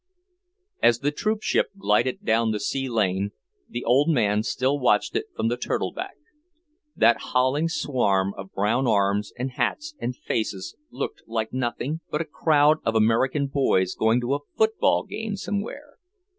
As the troop ship glided down the sea lane, the old man still watched it from the turtle back. That howling swarm of brown arms and hats and faces looked like nothing, but a crowd of American boys going to a football game somewhere.